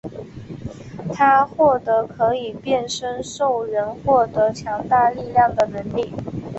他获得可以变身兽人获得强大力量的能力。